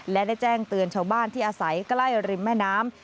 และได้แจ้งเตือนชาวบ้านที่อาศัยใกล้ริมแม่น้ำ